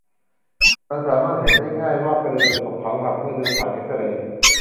มันสามารถเห็นได้ง่ายว่ากระดูกของเขาหักเมื่อดูผ่านเอ็กซเรย์